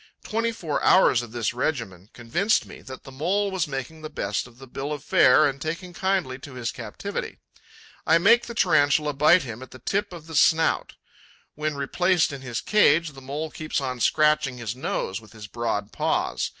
Twenty four hours of this regimen convinced me that the Mole was making the best of the bill of fare and taking kindly to his captivity. I make the Tarantula bite him at the tip of the snout. When replaced in his cage, the Mole keeps on scratching his nose with his broad paws.